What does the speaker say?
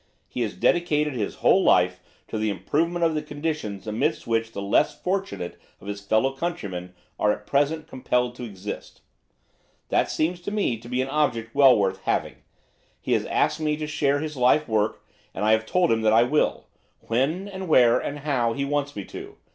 He has dedicated his whole life to the improvement of the conditions amidst which the less fortunate of his fellow countrymen are at present compelled to exist. That seems to me to be an object well worth having. He has asked me to share his life work, and I have told him that I will; when, and where, and how, he wants me to.